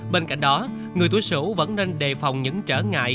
bên cạnh đó người tuổi sủ vẫn nên đề phòng những trở ngại